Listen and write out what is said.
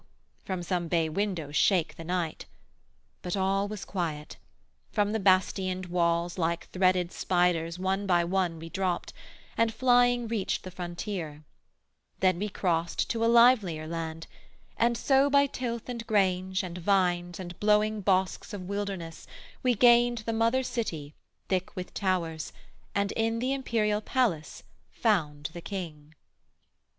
from some bay window shake the night; But all was quiet: from the bastioned walls Like threaded spiders, one by one, we dropt, And flying reached the frontier: then we crost To a livelier land; and so by tilth and grange, And vines, and blowing bosks of wilderness, We gained the mother city thick with towers, And in the imperial palace found the king.